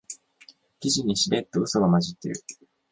記事にしれっとウソが混じってる